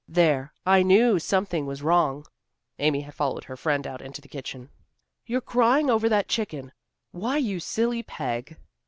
"There! I knew something was wrong." Amy had followed her friend out into the kitchen. "You're crying over that chicken. Why, you silly Peg!"